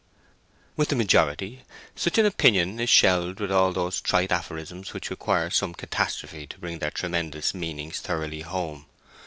With the majority such an opinion is shelved with all those trite aphorisms which require some catastrophe to bring their tremendous meanings thoroughly home.